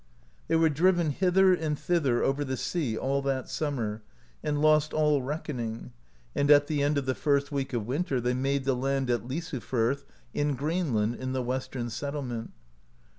They were driven hither and thither over the sea all that summer, and lost all reckoning, and at the end of ^lAGUE VISITS GREENLAND the first week of winter they made the land at Lysufirth in Greenland, in the Western settlement.